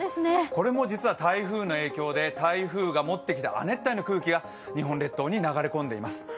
これも実は台風の影響で、台風が持ってきた亜熱帯の空気が日本列島に流れ込んでいます。